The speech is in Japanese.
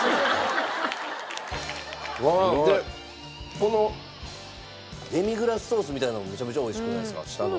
でこのデミグラスソースみたいなのもめちゃめちゃ美味しくないですか下の。